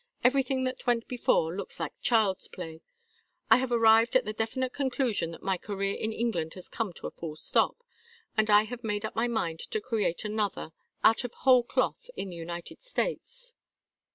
Everything that went before looks like child's play. I have arrived at the definite conclusion that my career in England has come to a full stop, and I have made up my mind to create another out of whole cloth in the United States."